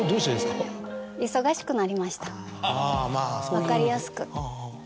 分かりやすく。